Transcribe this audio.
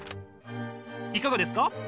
いかがですか？